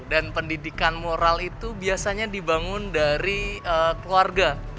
dan pendidikan moral itu biasanya dibangun dari keluarga